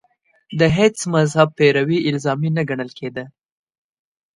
د هېڅ مذهب پیروي الزامي نه ګڼل کېده